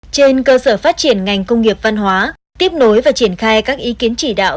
trên cơ sở phát triển ngành công nghiệp văn hóa tiếp nối và triển khai các ý kiến chỉ đạo